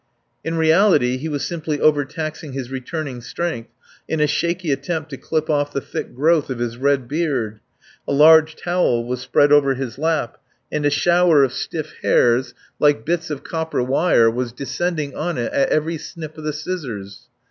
In reality he was simply overtaxing his returning strength in a shaky attempt to clip off the thick growth of his red beard. A large towel was spread over his lap, and a shower of stiff hairs, like bits of copper wire, was descending on it at every snip of the scissors.